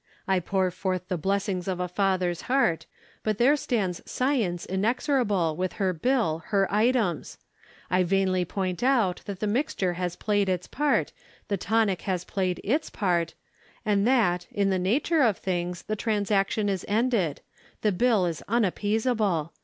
I pour forth the blessings of a father's heart; but there stands Science inexorable, with her bill, her items. I vainly point out that the mixture has played its part, the tonic has played its part; and that, in the nature of things, the transaction is ended. The bill is unappeasable.